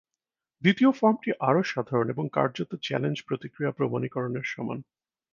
দ্বিতীয় ফর্মটি আরও সাধারণ এবং কার্যত চ্যালেঞ্জ-প্রতিক্রিয়া প্রমাণীকরণের সমান।